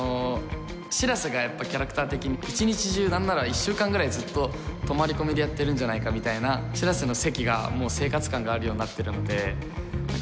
白瀬がやっぱキャラクター的に一日中何なら１週間ぐらいずっと泊まり込みでやってるんじゃないかみたいな白瀬の席がもう生活感があるようになってるのでなんか